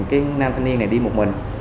cái nam thanh niên này đi một mình